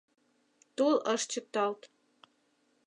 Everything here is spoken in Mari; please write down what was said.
Тул ыш чӱкталт.